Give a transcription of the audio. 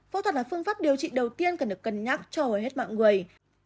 phẫu thuật là phương pháp điều trị đầu tiên cần được cân nhắc cho hầu hết mọi người